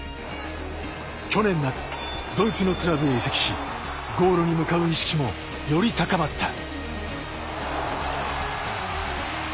去年、夏ドイツのクラブへ移籍しゴールに向かう意識もより高まった。